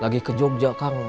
lagi ke jogja kang